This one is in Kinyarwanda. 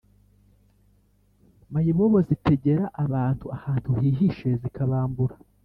Mayibobo zitegera abantu ahantu hihishe zikabambura